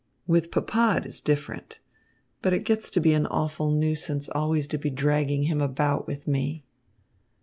"With papa it is different. But it gets to be an awful nuisance always to be dragging him about with me."